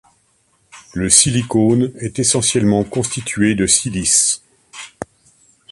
Le silicone est essentiellement constitué de silice.